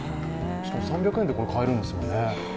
しかも３００円で買えるんですもんね。